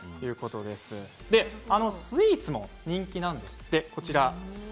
スイーツも人気なんですって。